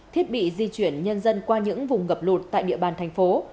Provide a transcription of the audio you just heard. thiết bị di chuyển nhân dân qua những vùng ngập lụt tại địa bàn thành phố